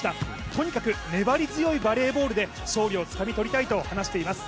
とにかく粘り強いバレーボールで勝利をつかみ取りたいと話しています。